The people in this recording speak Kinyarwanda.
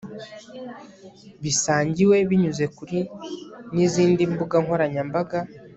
bisangiwe binyuze kuri nizindi mbuga nkoranyambaga